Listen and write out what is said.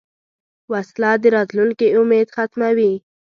وسله د راتلونکې امید ختموي